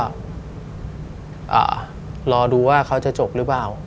แต่ลอดูว่าเขาจะจบหรือ